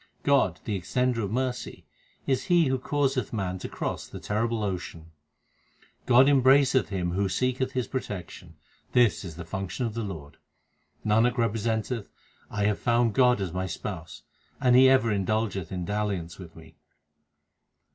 God, the Extender of mercy, is He who causeth man to cross the terrible ocean. God embraceth him who seeketh His protection ; this is the function of the Lord. Nanak representeth, I have found God as my Spouse, and He ever indulgeth in dalliance with me.